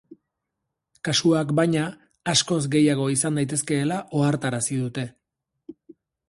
Kasuak, baina, askoz gehiago izan daitezkeela ohartarazi dute.